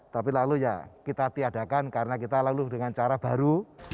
tapi lalu ya kita tiadakan karena kita lalu dengan cara baru